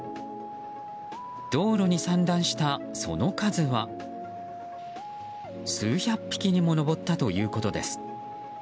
道路に散乱したその数は数百匹にも上ったということです。